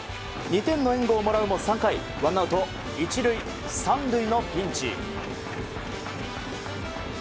２点の援護をもらうも３回ワンアウト１塁３塁のピンチ。